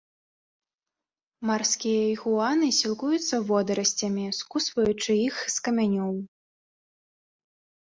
Марскія ігуаны сілкуюцца водарасцямі, скусваючы іх з камянёў.